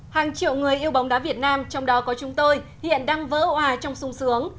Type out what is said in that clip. hàng triệu người yêu bóng đá việt nam trong đó có chúng tôi hiện đang vỡ hòa trong sung sướng